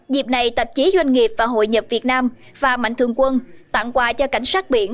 dịp này tạp chí doanh nghiệp và hội nhập việt nam và mạnh thương quân tặng quà cho cảnh sát biển